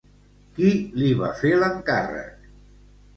Qui li va fer l'encàrrec?